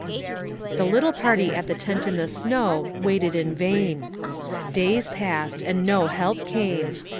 The little party at the tent in the snow waited in vain. Days passed, and no help came.